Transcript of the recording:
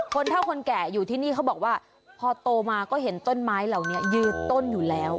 เท่าคนแก่อยู่ที่นี่เขาบอกว่าพอโตมาก็เห็นต้นไม้เหล่านี้ยืดต้นอยู่แล้ว